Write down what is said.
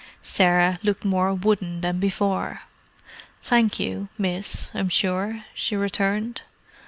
Sarah looked more wooden than before. "Thank you, miss, I'm sure," she returned.